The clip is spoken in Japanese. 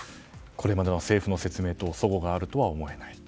これまでの政府の説明と齟齬があるとは思えないと。